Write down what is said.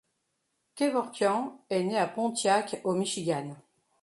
Kevorkian est né à Pontiac au Michigan.